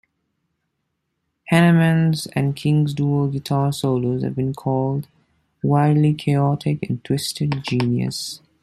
Hanneman's and King's dual guitar solos have been called "wildly chaotic," and "twisted genius".